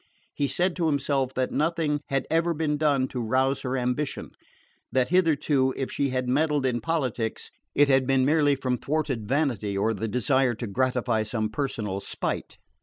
He said to himself that nothing had ever been done to rouse her ambition, that hitherto, if she had meddled in politics, it had been merely from thwarted vanity or the desire to gratify some personal spite.